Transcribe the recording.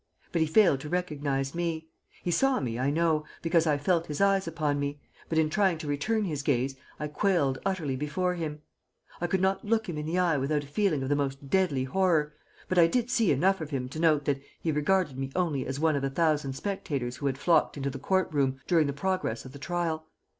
But he failed to recognize me. He saw me, I know, because I felt his eyes upon me, but in trying to return his gaze I quailed utterly before him. I could not look him in the eye without a feeling of the most deadly horror, but I did see enough of him to note that he regarded me only as one of a thousand spectators who had flocked into the court room during the progress of the trial.